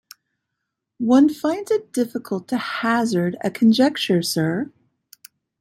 One finds it difficult to hazard a conjecture, sir.